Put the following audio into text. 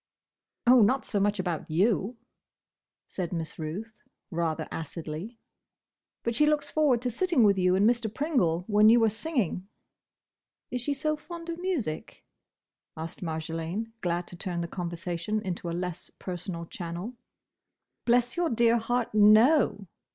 "Oh! Not so much about you," said Miss Ruth rather acidly. "But she looks forward to sitting with you and Mr. Pringle, when you are singing." "Is she so fond of music?" asked Marjolaine, glad to turn the conversation into a less personal channel. "Bless your dear heart, no!"